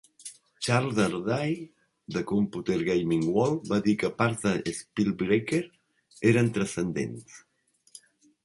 Charles Ardai de "Computer Gaming World" va dir que parts de "Spellbreaker" eren "transcendents".